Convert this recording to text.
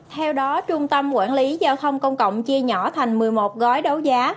theo đó trung tâm quản lý giao thông công cộng chia nhỏ thành một mươi một gói đấu giá